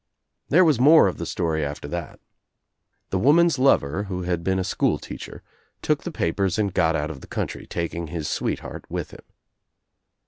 There was more of the story after that. The woman's lover, who had been a school teacher, took the papers and got out of the country, taking his sweetheart with him.